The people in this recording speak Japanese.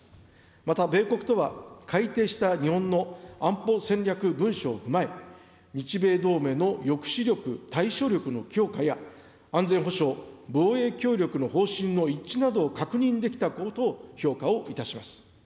また、米国とは改定した日本の安保戦略文書を踏まえ、日米同盟の抑止力、対処力の強化や、安全保障、防衛協力の方針の一致などを確認できたことを評価をいたします。